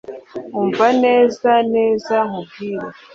umva neza. neza nkubwire